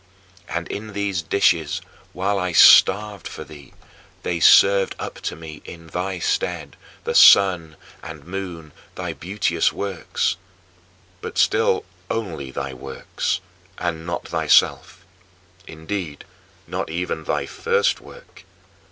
And in these dishes while I starved for thee they served up to me, in thy stead, the sun and moon thy beauteous works but still only thy works and not thyself; indeed, not even thy first work.